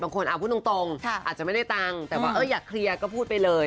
พูดตรงอาจจะไม่ได้ตังค์แต่ว่าอยากเคลียร์ก็พูดไปเลย